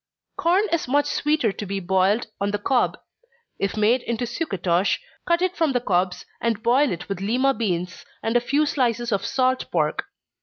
_ Corn is much sweeter to be boiled on the cob. If made into sucatosh, cut it from the cobs, and boil it with Lima beans, and a few slices of salt pork.